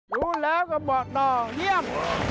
รู้แล้วก็บอกต่อเยี่ยม